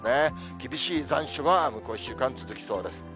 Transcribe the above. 厳しい残暑が向こう１週間続きそうです。